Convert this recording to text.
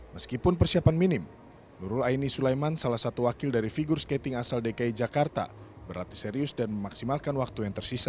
meskipun persiapan minim nurul aini sulaiman salah satu wakil dari figur skating asal dki jakarta berlatih serius dan memaksimalkan waktu yang tersisa